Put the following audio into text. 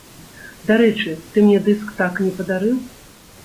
Дарэчы, ты мне дыск так і не падарыў!